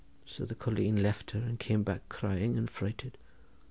So the colleen left her, and came back crying and frightened.